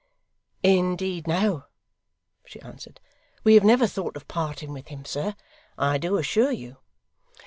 'Indeed no,' she answered. 'We have never thought of parting with him, sir, I do assure you.